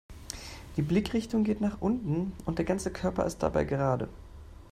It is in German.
Die Blickrichtung geht nach unten und der ganze Körper ist dabei gerade.